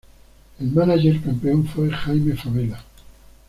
El mánager campeón fue Jaime Favela.